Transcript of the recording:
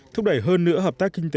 thúc đẩy hơn nữa hợp tác kinh tế